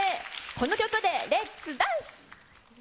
この曲でレッツダンス！